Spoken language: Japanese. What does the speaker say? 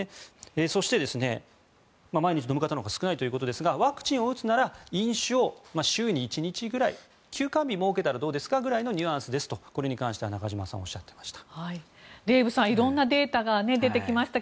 そして、毎日飲む方のほうが少ないということですがワクチンを打つなら飲酒を、週に１日くらい休肝日を設けたらどうですかというニュアンスですとこれに関しては中島さんはおっしゃっていました。